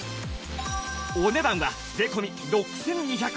お値段は税込６２８０円